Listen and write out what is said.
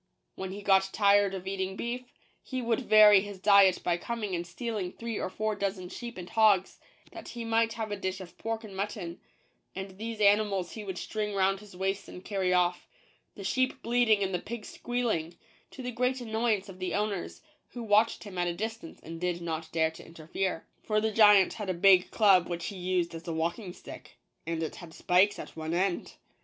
Wheri he got tired of eating beef, he would vary his diet by coming and stealing three or four dozen sheep and hogs, that he might have a dish of pork and mutton : and these animals he would string round his waist and carry off — the sheep bleating and the pigs squealing — to the great annoy ance of the owners, who watched him at a distance and did not dare to interfere. For the giant had a big club which he used as a walking stick, and it had spikes at one end.